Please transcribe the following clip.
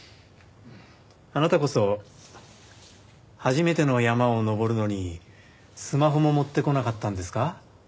あなたこそ初めての山を登るのにスマホも持ってこなかったんですか？